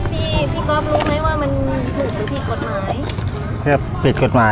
พี่กรอฟรู้ไหมว่ามันถูกหรือผิดกฎหมาย